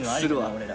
俺ら。